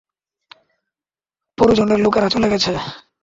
পরিজনের লোকেরা চলে গেছে।